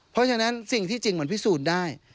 เพราะฉะนั้นสิ่งที่จริงมันพิสูจน์ได้